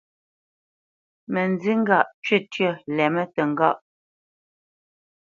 Mə nzí ŋgâʼ cwítyə́ lɛmə́ təŋgáʼ.